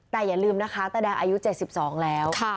แต่อย่าลืมนะคะตาแดงอายุเจ็ดสิบสองแล้วค่ะ